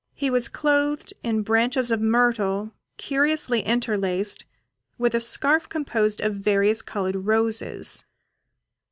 He was clothed in branches of myrtle, curiously interlaced, with a scarf composed of various coloured roses.